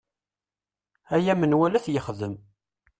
Aya menwala ad t-yexdem.